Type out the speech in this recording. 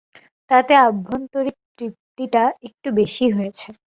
তাতে আভ্যন্তরিক তৃপ্তিটা কিছু বেশি হয়েছে।